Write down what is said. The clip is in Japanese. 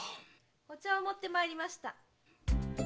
・お茶を持って参りました。